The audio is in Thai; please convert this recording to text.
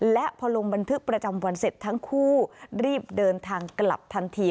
และพอลงบันทึกประจำวันเสร็จทั้งคู่รีบเดินทางกลับทันที